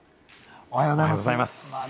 おはようございます。